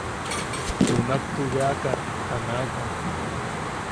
Junak tubeakan ta nakan.